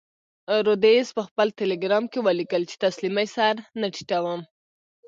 رودز په خپل ټیلګرام کې ولیکل چې تسلیمۍ سر نه ټیټوم.